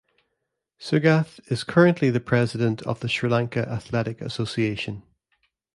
Sugath is currently the President of the Sri Lanka Athletic Association.